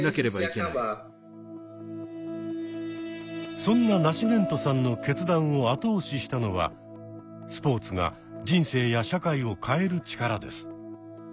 そんなナシメントさんの決断を後押ししたのはスポーツが人生や社会を変える力です。